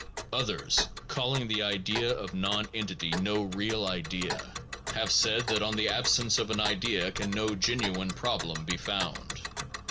Others, calling the idea of nonentity no real idea, have said that on the absence of an idea can no genuine problem be founded.